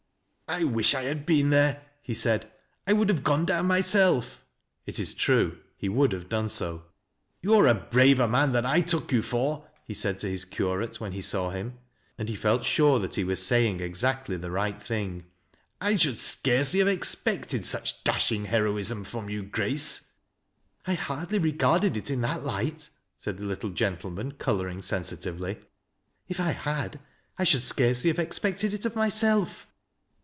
"I wish I had been there," he said. "I would have gone down myself." (It is true : he would have done so.) " YoM. are a braver man than I took you for," he said to his curate, when he saw him, — and he felt sure that he was Baying exactly the right thing. "I should scarcely have expected such dashing heroism from you, Grace." " I hardly regarded it in that light," said the little gen tleman, coloring sensitively. " If I had, I should scarcely have expected it of myself."